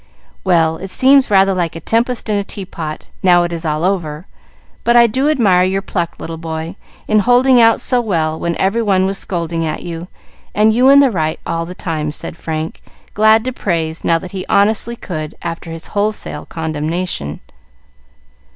"Well, it seems rather like a tempest in a teapot, now it is all over, but I do admire your pluck, little boy, in holding out so well when every one was scolding at you, and you in the right all the time," said Frank, glad to praise, now that he honestly could, after his wholesale condemnation.